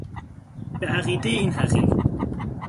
به عقیدهی این حقیر